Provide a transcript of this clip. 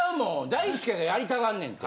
大輔がやりたがんねんって！